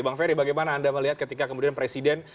bang ferry bagaimana anda melihat ketika kemudian presiden